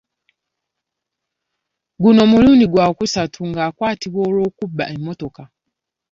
Guno mulundi gwa kusatu ng'akwatibwa olw'okubba emmotoka.